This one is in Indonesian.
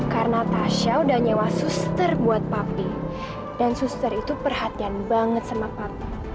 karena tasha udah nyewas suster buat papi dan suster itu perhatian banget sama papi